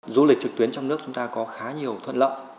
du lịch trực tuyến trong nước chúng ta có khá nhiều thuận lợi